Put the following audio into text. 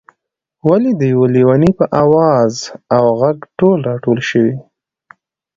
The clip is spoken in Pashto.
ولې د یو لېوني په آواز او غږ ټول راټول شوئ.